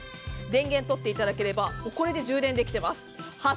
電源とっていただければこれで充電できてます。